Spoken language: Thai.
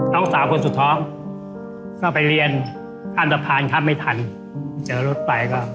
ห้องสาวคนสุดท้องก็ไปเรียนขับอันตรภัณฑ์ถ้าไม่ทันเจอรถไฝเข้าก็